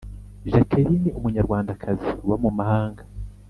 Jacqueline Umunyarwandakazi uba mu mu mahanga